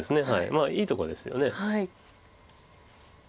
まあいいとこですよね。